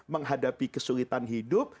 menghadapi kesulitan hidup